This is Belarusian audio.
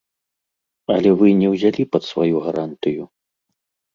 Але вы не ўзялі пад сваю гарантыю.